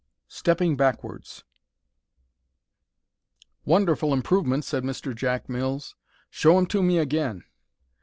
STEPPING BACKWARDS Wonderful improvement," said Mr. Jack Mills. "Show 'em to me again."